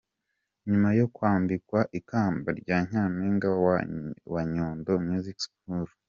Nyuma yo kwambikwa ikamba rya Nyampinga wa Nyundo Music school.